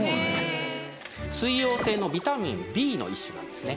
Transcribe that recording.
水溶性のビタミンＢの一種なんですね。